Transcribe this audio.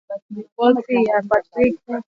Ripoti hii imeandaliwa na Patrick Nduwimana